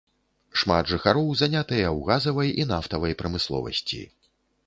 Шмат жыхароў занятыя ў газавай і нафтавай прамысловасці.